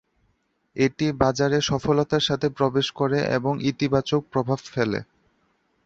এটি বাজারে সফলতার সাথে প্রবেশ করে এবং ইতিবাচক প্রভাব ফেলে।